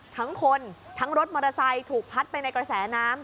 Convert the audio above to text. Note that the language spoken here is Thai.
ทั้งคนทั้งรถมอเตอร์ไซค์ถูกพัดไปในกระแสน้ำ